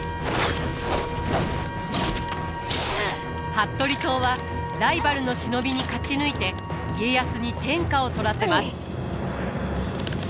服部党はライバルの忍びに勝ち抜いて家康に天下を取らせます。